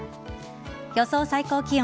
予想最高気温。